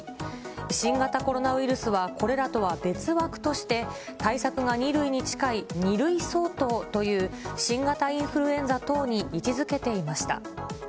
新型コロナウイルスはこれらとは別枠として、対策が２類に近い２類相当という、新型インフルエンザ等に位置づけていました。